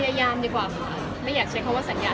พยายามดีกว่าค่ะไม่อยากใช้คำว่าสัญญาณ